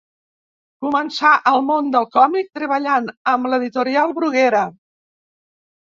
Començà al món del còmic treballant amb l'editorial Bruguera.